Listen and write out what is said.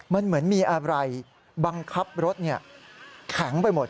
มันเหมือนมีอะไรบังคับรถแข็งไปหมด